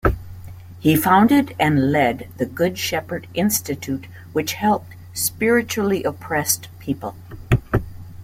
He founded and led the Good Shepherd Institute which helped spiritually oppressed people.